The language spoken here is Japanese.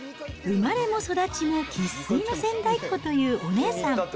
生まれも育ちも生っ粋の仙台っ子というお姉さん。